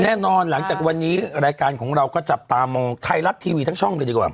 หลังจากวันนี้รายการของเราก็จับตามองไทยรัฐทีวีทั้งช่องเลยดีกว่า